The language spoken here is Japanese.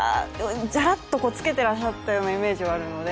じゃらっとこうつけてらっしゃったようなイメージがあるので、